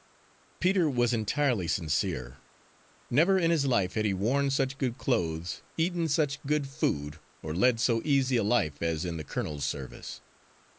Peter was entirely sincere. Never in his life had he worn such good clothes, eaten such good food, or led so easy a life as in the colonel's service.